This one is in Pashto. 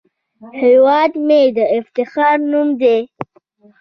هیواد مې د افتخار نوم دی